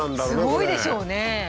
すごいでしょうね。